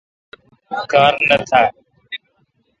کار نہ تھال۔